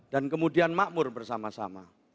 dan kemudian makmur bersama sama